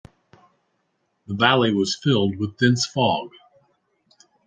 The valley was filled with dense fog.